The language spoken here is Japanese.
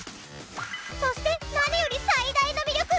そして何より最大の魅力が。